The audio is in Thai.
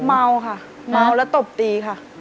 เมาค่ะเมาแล้วตบตีค่ะ